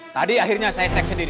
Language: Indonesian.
tadi akhirnya saya cek sendiri